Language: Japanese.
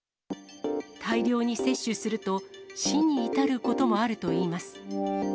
大量に摂取すると、死に至ることもあるといいます。